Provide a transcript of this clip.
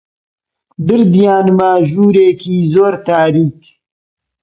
بردیانمە ژوورێکی زۆر تاریک